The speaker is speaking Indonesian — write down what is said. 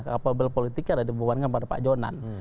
kapabel politiknya dibuatnya pada pak jonan